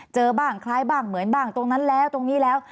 เจอบ้างคล้ายบ้างเหมือนบ้างตรงนั้นแล้วตรงนี้แล้ว